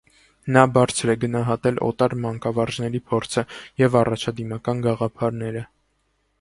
Նա բարձր է գնահատել օտար մանկավարժների փորձը և առաջադիմական գաղափարները։